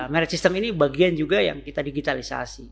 merit system ini bagian juga yang kita digitalisasi